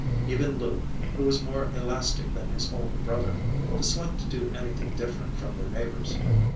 Even Lou, who was more elastic than his older brother, disliked to do anything different from their neighbors.